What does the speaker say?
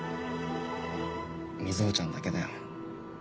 瑞穂ちゃんだけだよ。